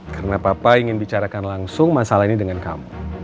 karena papa ingin bicarakan langsung masalah ini dengan kamu